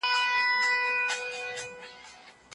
مسافر چي کله هرات ته ځي نو په دلارام کي دمې سي